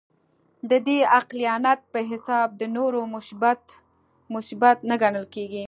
د دې عقلانیت په حساب د نورو مصیبت، مصیبت نه ګڼل کېږي.